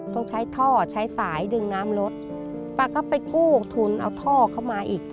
ต้องใช้ท่อใช้สายดึงน้ำรถป้าก็ไปกู้ทุนเอาท่อเข้ามาอีก